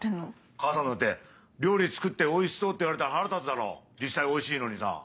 母さんだって料理作って「おいしそう」って言われたら腹立つだろ実際おいしいのにさ。